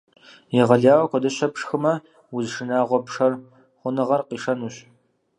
Егъэлеяуэ куэдыщэ пшхымэ, уз шынагъуэр — пшэр хъуныгъэр — къишэнущ.